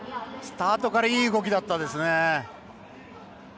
スタートからいい動きだったですね。